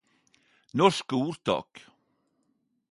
Norske ordtak